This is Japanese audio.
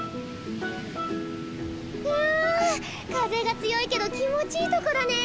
わあ風が強いけど気持ちいいとこだねえ。